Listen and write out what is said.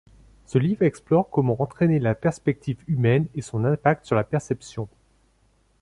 Le livre explore comment entraîner la perspective humaine et son impact sur la perception.